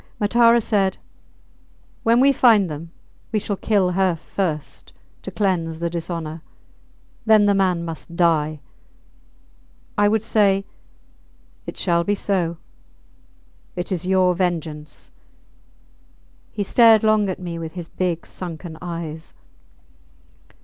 Matara said, When we find them we shall kill her first to cleanse the dishonour then the man must die. I would say, It shall be so; it is your vengeance. He stared long at me with his big sunken eyes.